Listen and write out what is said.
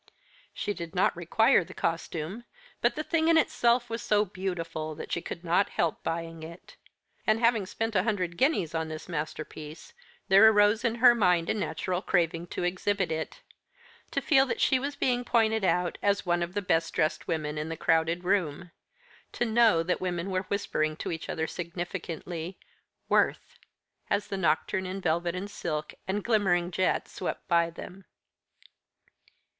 She did not require the costume, but the thing in itself was so beautiful that she could not help buying it. And having spent a hundred guineas on this masterpiece, there arose in her mind a natural craving to exhibit it; to feel that she was being pointed out as one of the best dressed women in the crowded room; to know that women were whispering to each other significantly, "Worth," as the nocturn in velvet and silk and glimmering jet swept by them.